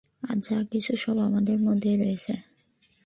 আর যা কিছু সব আমাদেরই মধ্যে রয়েছে।